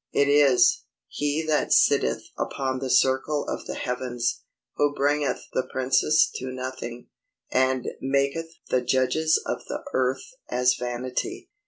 It is "He that sitteth upon the circle of the heavens, who bringeth the princes to nothing, and maketh the judges of the earth as vanity."